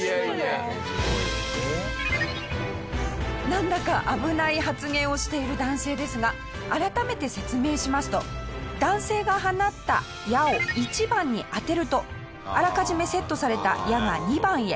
なんだか危ない発言をしている男性ですが改めて説明しますと男性が放った矢を１番に当てるとあらかじめセットされた矢が２番へ。